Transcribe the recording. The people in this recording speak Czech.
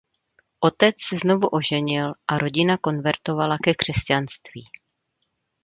Otec se znovu oženil a rodina konvertovala ke křesťanství.